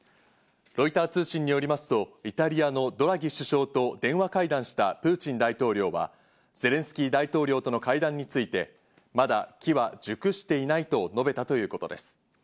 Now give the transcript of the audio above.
ロイター通信によりますとイタリアのドラギ首相と電話会談したプーチン大統領はゼレンスキー大統領との会談について、まだ機は熟していないと述べたということです。